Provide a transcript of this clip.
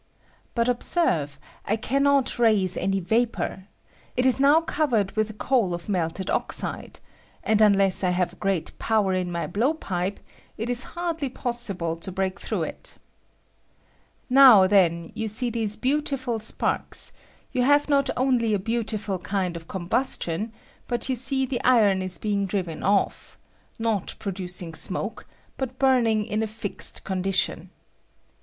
But observe, I can not raise any Tapor: it is now covered with a coat of melted ' oxide, and unless I have a great power in my blowpipe, it is hardly possible to break through Now, then, you see these beautiful sparks : yon have not only a beautiful kind of com bustion, but you see the iron is being driven, not producing smoke, but burning in a fixed condition.